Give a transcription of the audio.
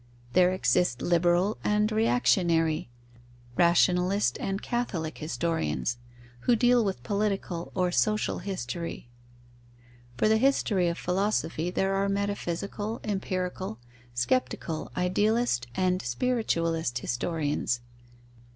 There exist liberal and reactionary, rationalist and catholic historians, who deal with political or social history; for the history of philosophy there are metaphysical, empirical, sceptical, idealist, and spiritualist historians.